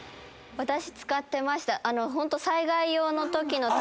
私使ってました。